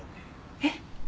えっ？